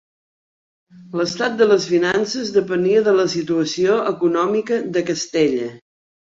L'estat de les finances depenia de la situació econòmica de Castella.